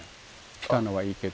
来たのはいいけど。